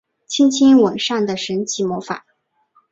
轻轻吻上的神奇魔法